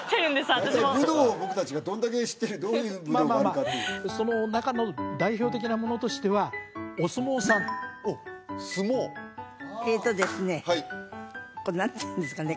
私も大体武道を僕達がどんだけ知っててどういう武道があるかってその中の代表的なものとしてはお相撲さんあっ相撲えっとですね何ていうんですかね